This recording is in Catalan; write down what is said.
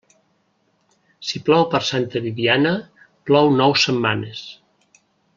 Si plou per Santa Bibiana, plou nou setmanes.